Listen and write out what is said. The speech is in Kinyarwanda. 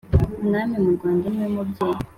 Umwami mu Rwanda ni we mubyeyi